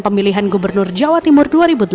pemilihan gubernur jawa timur dua ribu delapan belas